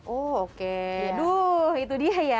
oke aduh itu dia ya